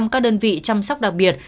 các đơn vị chăm sóc đặc biệt